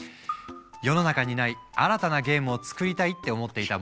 世の中にない新たなゲームを作りたいって思っていた